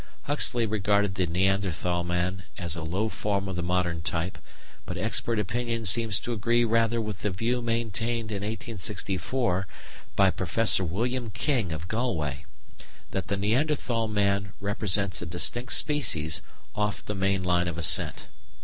Huxley regarded the Neanderthal man as a low form of the modern type, but expert opinion seems to agree rather with the view maintained in 1864 by Professor William King of Galway, that the Neanderthal man represents a distinct species off the main line of ascent.